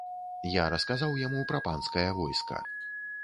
Я расказаў яму пра панскае войска.